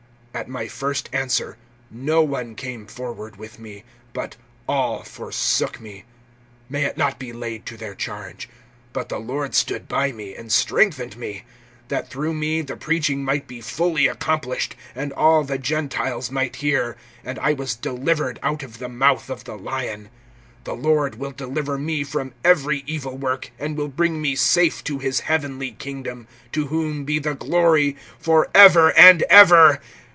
(16)At my first answer no one came forward with me, but all forsook me. May it not be laid to their charge! (17)But the Lord stood by me, and strengthened me; that through me the preaching might be fully accomplished, and all the Gentiles might hear; and I was delivered out of the mouth of the lion. (18)The Lord will deliver me from every evil work, and will bring me safe to his heavenly kingdom; to whom be the glory, forever and ever.